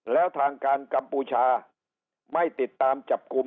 แล้วทางการกัมพูชาไม่ติดตามจับกลุ่ม